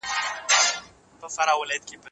هغه ادبي څېړنه ترسره کولای سي.